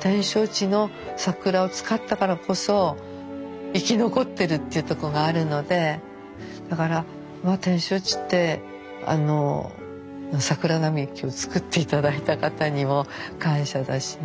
展勝地の桜を使ったからこそ生き残ってるっていうとこがあるのでだから展勝地って桜並木を作って頂いた方にも感謝だしね。